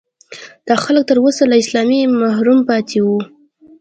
دا خلک تر اوسه له اسلامه محروم پاتې وو.